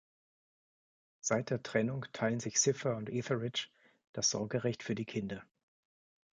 Seit der Trennung teilen sich Cypher und Etheridge das Sorgerecht für die Kinder.